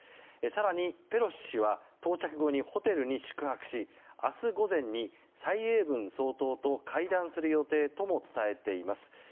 更にペロシ氏は到着後にホテルに宿泊し明日午前に蔡英文総統と会談する予定とも伝えています。